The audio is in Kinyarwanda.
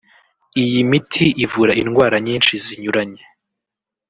Iyi miti ivura indwara nyinshi zinyuranye